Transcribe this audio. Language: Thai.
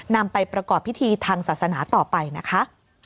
นำไปประกอบพิธีทางศาสนาต่อไปนะคะ